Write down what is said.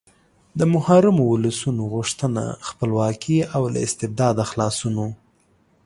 د محرومو ولسونو غوښتنه خپلواکي او له استبداده خلاصون و.